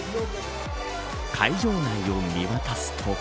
会場内を見渡すと。